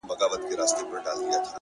• اې ه څنګه دي کتاب له مخه ليري کړم؛